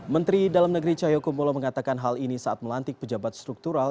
menteri dalam negeri cahyokumolo mengatakan hal ini saat melantik pejabat struktural